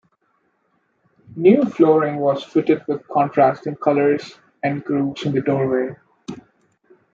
New flooring was fitted, with contrasting colours and grooves in the doorways.